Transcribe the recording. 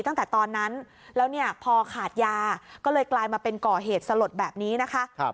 ตั้งแต่ตอนนั้นแล้วเนี่ยพอขาดยาก็เลยกลายมาเป็นก่อเหตุสลดแบบนี้นะคะ